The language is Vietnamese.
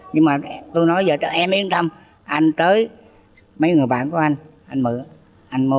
nhưng mà tôi nói giờ cho em yên tâm anh tới mấy người bạn của anh anh mượn anh mua